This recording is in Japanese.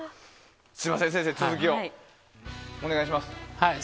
すみません、先生続きをお願いします。